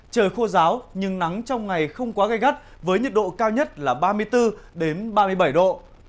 trời khô giáo nhưng nắng trong ngày không quá gây gắt với nhiệt độ cao nhất là ba mươi bốn đến ba mươi bảy độ